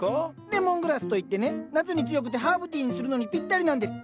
「レモングラス」といってね夏に強くてハーブティーにするのにぴったりなんです。